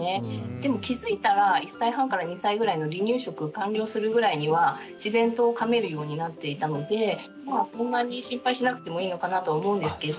でも気付いたら１歳半から２歳ぐらいの離乳食完了するぐらいには自然とかめるようになっていたのでそんなに心配しなくてもいいのかなと思うんですけど。